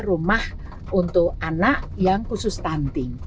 rumah untuk anak yang khusus stunting